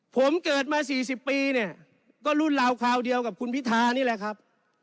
ผมเกิดมา๔๐ปีเนี่ยก็รุ่นราวคราวเดียวกับคุณพิธานี่แหละครับ